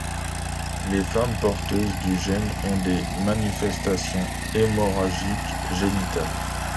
Les femmes porteuses du gène ont des manifestations hémorragiques génitales.